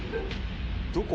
どこ？